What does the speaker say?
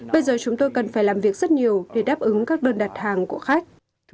bây giờ chúng tôi cần phải làm việc rất nhiều để đáp ứng các đơn đặt hàng của khách